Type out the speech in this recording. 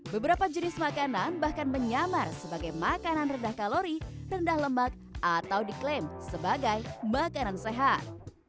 beberapa jenis makanan bahkan menyamar sebagai makanan rendah kalori rendah lemak atau diklaim sebagai makanan sehat